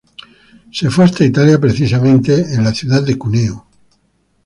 Se fue hasta Italia, precisamente en la ciudad de Cuneo.